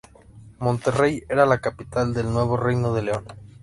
Monterrey era la capital del Nuevo Reino de León.